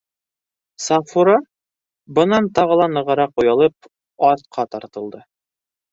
Сафура, бынан тағы ла нығыраҡ оялып, артҡа тартылды: